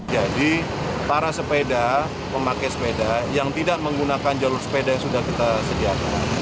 jadi para sepeda pemakai sepeda yang tidak menggunakan jalur sepeda yang sudah kita sediakan